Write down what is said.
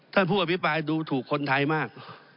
ท่านผู้อภิปรายดูถูกคนไทยมาก